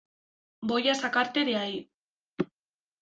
Voy a sacarte de ahí.